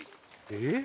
えっ？